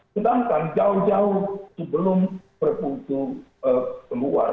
sedangkan jauh jauh sebelum berputus keluar